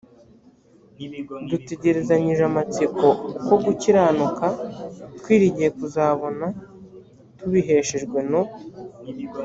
dutegerezanyije amatsiko uko gukiranuka twiringiye kuzabona tubiheshejwe no